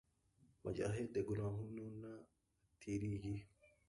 مجاهد د ګناهونو نه تېرېږي.